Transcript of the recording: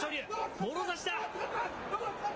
もろ差しだ。